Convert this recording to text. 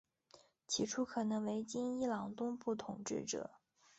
起初可能为今伊朗东部统治者。